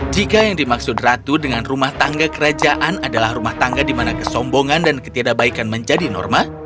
jika yang dimaksud ratu dengan rumah tangga kerajaan adalah rumah tangga di mana kesombongan dan ketiadabaikan menjadi norma